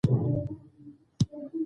د تشخیص لپاره معاینات اړین دي